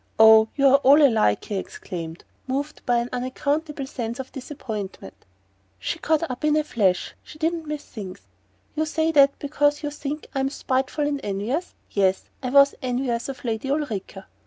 "Oh, you're all alike!" he exclaimed, moved by an unaccountable sense of disappointment. She caught him up in a flash she didn't miss things! "You say that because you think I'm spiteful and envious? Yes I was envious of Lady Ulrica...